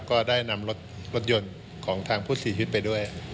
ก็ได้นำรถยนต์ของทางพุทธศิษฐ์ไปด้วย